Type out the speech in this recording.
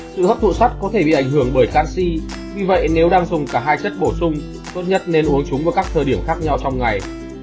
sự hấp thụ sắt có thể bị ảnh hưởng bởi canxi vì vậy nếu đang dùng cả hai chất bổ sung tốt nhất nên uống chúng vào các thời điểm khác nhau trong ngày